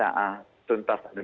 ini saya mau bertanyakan